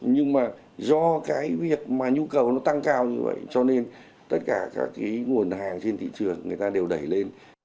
nhưng mà do cái việc mà nhu cầu nó tăng cao như vậy cho nên tất cả các cái nguồn hàng trên thị trường người ta đều đẩy lên